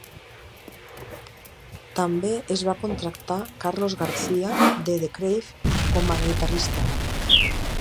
També es va contractar Carlos García de The Crave com a guitarrista.